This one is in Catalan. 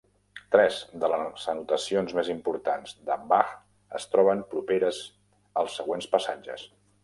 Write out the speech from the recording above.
Tres de les anotacions més importants de Bach es troben properes als següents passatges.